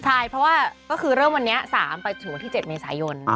ใช่เพราะว่าก็คือเริ่มวันนี้๓ไปถึงวันที่๗เมษายน